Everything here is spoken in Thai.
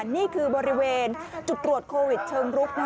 นี่คือบริเวณจุดตรวจโควิดเชิงรุก